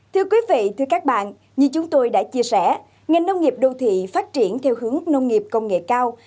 thưa quý vị thưa các bạn như chúng tôi đã chia sẻ ngành nông nghiệp đô thị phát triển theo hướng nông nghiệp công nghệ cao